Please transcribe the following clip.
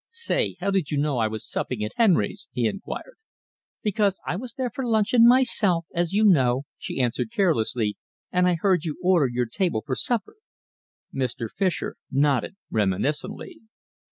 "Say, how did you know I was supping at Henry's?" he inquired. "Because I was there for luncheon myself, as you know," she answered carelessly, "and I heard you order your table for supper." Mr. Fischer nodded reminiscently.